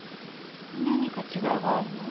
何か違いがあるの？